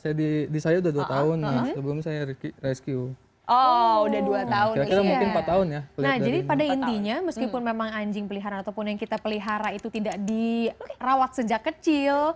sebelumnya saya di rescue oh udah dua tahun kira kira mungkin empat tahun ya nah jadi pada intinya meskipun memang anjing pelihara ataupun yang kita pelihara itu tidak dirawat sejak kecil